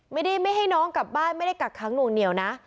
ไม่ให้น้องกลับบ้านไม่ได้กักค้างหน่วงเหนียวนะ